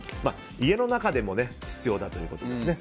家の中でも必要だということですね。